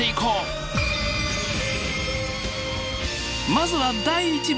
まずは第１部！